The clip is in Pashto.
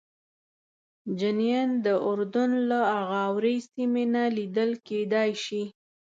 جنین د اردن له اغاورې سیمې نه لیدل کېدای شي.